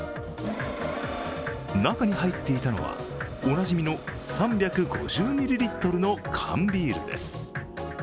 中に入っていたのは、おなじみの３５０ミリリットルの缶ビールです。